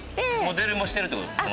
モデルもしてるってことですか？